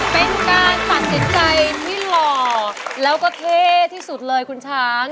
เป็นการตัดสินใจที่หล่อแล้วก็เท่ที่สุดเลยคุณช้าง